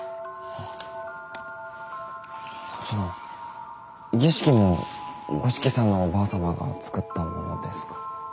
あその儀式も五色さんのおばあさまが作ったものですか？